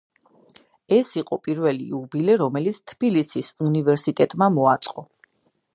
ეს იყო პირველი იუბილე, რომელიც თბილისის უნივერსიტეტმა მოაწყო.